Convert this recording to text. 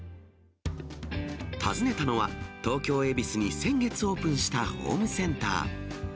訪ねたのは、東京・恵比寿に先月オープンしたホームセンター。